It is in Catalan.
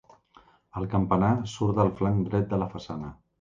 El campanar surt del flanc dret de la façana.